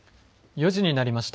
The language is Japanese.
４時になりました。